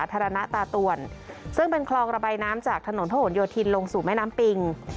ทั้งคลองระบายน้ำจากถนนโทษนโยธินลงสู่แม่น้ำปิง